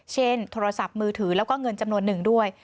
โทรศัพท์มือถือแล้วก็เงินจำนวนหนึ่งด้วย